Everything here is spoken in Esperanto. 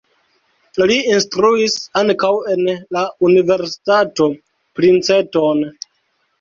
Li instruis ankaŭ en la Universitato Princeton.